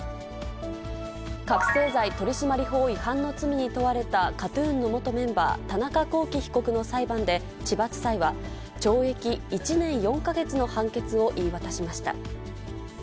覚醒剤取締法違反の罪に問われた、ＫＡＴーＴＵＮの元メンバー、田中聖被告の裁判で、千葉地裁は、懲役１年４か月の判決を言い渡しました。